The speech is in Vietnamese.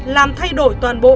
làm thay đổi toàn bộ